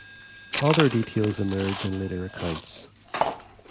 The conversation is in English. Other details emerge in later accounts.